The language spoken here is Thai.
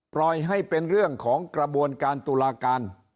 ปล่อยให้เป็นเรื่องของกระบวนการตุลาการ